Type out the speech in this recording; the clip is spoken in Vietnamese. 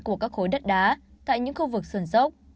của các khối đất đá tại những khu vực sườn dốc